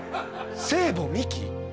聖母ミキ？